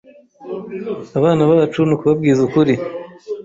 abana bacu n’ukubabwiza ukuri.